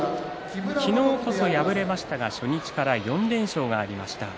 昨日こそ敗れましたが初日から４連勝がありました。